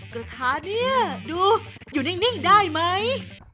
กระทะเนี่ยดูอยู่นิ่งได้ไหม